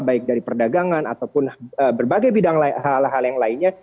baik dari perdagangan ataupun berbagai bidang hal hal yang lainnya